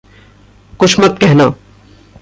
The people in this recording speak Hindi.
कुछ मत कहना!